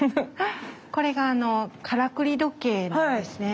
これがからくり時計なんですね。